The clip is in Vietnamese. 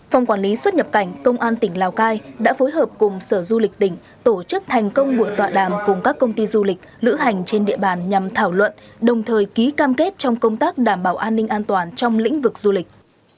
phòng quản lý xuất nhập cảnh công an tỉnh lào cai đã phối hợp cùng sở du lịch tỉnh tổ chức thành công buổi tọa đàm cùng các công ty du lịch lữ hành trên địa bàn nhằm thảo luận đồng thời ký cam kết trong công tác đảm bảo an ninh an toàn trong lĩnh vực du lịch